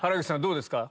どうですか？